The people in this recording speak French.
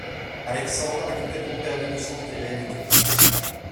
Alexandre a complètement perdu le sens des réalités.